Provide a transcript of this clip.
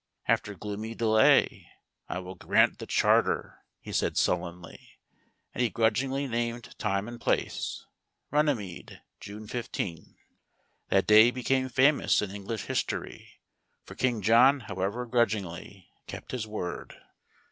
After gloomy delay, " I will grant the Charter," he said sullenly ; and he grudgingly named time and place, Runnymede, June 15. That day became famous in English history, for King John, however grudgingly, kept his word.